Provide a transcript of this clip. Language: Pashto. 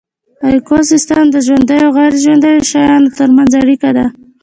ایکوسیستم د ژوندیو او غیر ژوندیو شیانو ترمنځ اړیکه ده